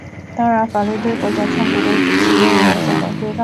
当然法律对国家参股的企业也有所规范。